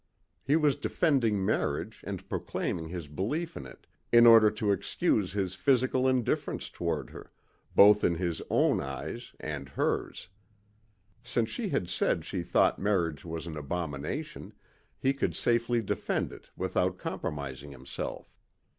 He was defending marriage and proclaiming his belief in it, in order to excuse his physical indifference toward her, both in his own eyes and hers. Since she had said she thought marriage was an abomination, he could safely defend it without compromising himself.